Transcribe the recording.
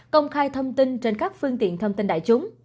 công khai thông tin trên các phương tiện thông tin đại chúng